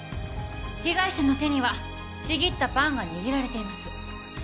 被害者の手にはちぎったパンが握られています。